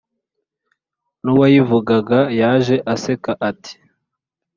n’uwayivugaga yaje aseka ati